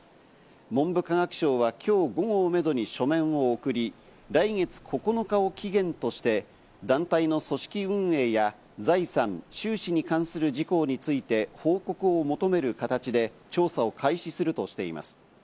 文部科学省は今日、午後をめどに書面送り、来月９日を期限として団体の組織運営や、財産・収支に関する事項について、報告を求める形で調査を開始するとしています。